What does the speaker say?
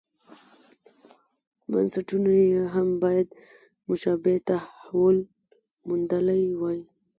بنسټونو یې هم باید مشابه تحول موندلی وای.